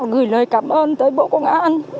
gửi lời cảm ơn tới bộ công an